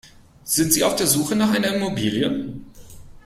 Sind Sie auf der Suche nach einer Immobilie?